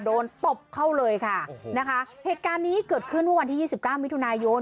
โดนตบเข้าเลยค่ะนะคะเหตุการณ์นี้เกิดขึ้นว่าวันที่๒๙มิถุนายน